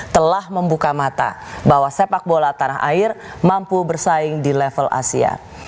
telah membuka mata bahwa sepak bola tanah air mampu bersaing di level asia